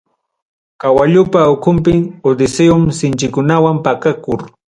Kawallupa ukunpim, Odiseom sinchinkunawan pakakur.